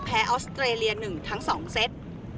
ออสเตรเลีย๑ทั้ง๒เซต